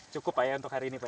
cukup pak ya untuk hari ini pak